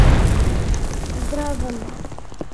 — Дробьым.